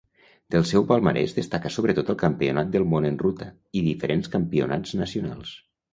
Del seu palmarès destaca sobretot el Campionat del món en ruta, i diferents campionats nacionals.